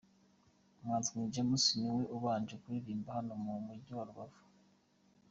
Umuhanzi King James niwe ubanje kuririmba hano mu mujyi wa Rubavu.